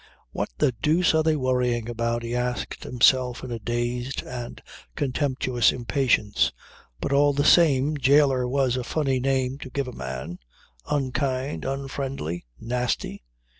"What the deuce are they worrying about?" he asked himself in a dazed and contemptuous impatience. But all the same "jailer" was a funny name to give a man; unkind, unfriendly, nasty.